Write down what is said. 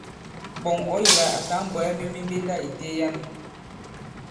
Ɓɔ̀ŋ ɔ̌ yī lā à tǎŋ bwɛ̀ɛ myu mi mbenda ì teliya.